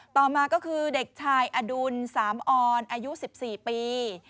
ต่อมาก็คือเด็กชายอดุลสามออนอายุ๑๔ปี